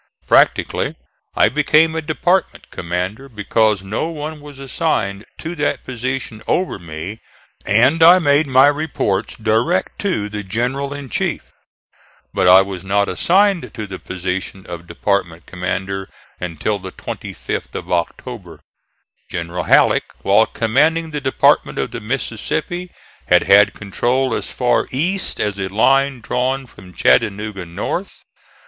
Practically I became a department commander, because no one was assigned to that position over me and I made my reports direct to the general in chief; but I was not assigned to the position of department commander until the 25th of October. General Halleck while commanding the Department of the Mississippi had had control as far east as a line drawn from Chattanooga north.